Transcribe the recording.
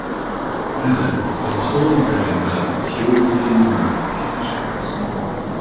Rather, it is solely driven by deteriorating market conditions.